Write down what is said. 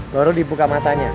baru dibuka matanya